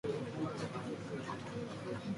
这是朵美丽的小花。